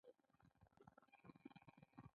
هلته د انسان اساسي اړتیاوې مهمې دي.